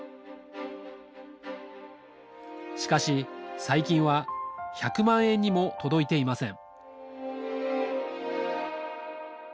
しかし最近は１００万円にも届いていません